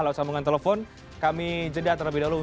lalu sambungan telepon kami jeda terlebih dahulu